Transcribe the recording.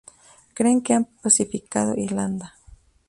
Creen que han pacificado Irlanda.